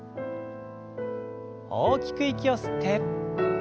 大きく息を吸って。